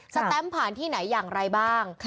แตมผ่านที่ไหนอย่างไรบ้าง